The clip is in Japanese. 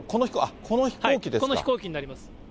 この飛行機になります。